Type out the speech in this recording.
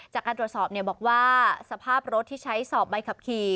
จากการตรวจสอบบอกว่าสภาพรถที่ใช้สอบใบขับขี่